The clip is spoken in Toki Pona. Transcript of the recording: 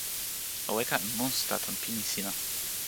o weka e monsuta tan pilin sina.